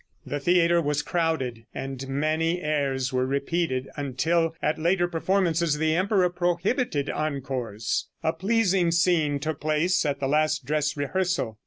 The theater was crowded, and many airs were repeated, until at later performances the emperor prohibited encores. A pleasing scene took place at the last dress rehearsal.